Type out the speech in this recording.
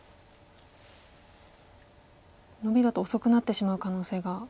ノビだと遅くなってしまう可能性が。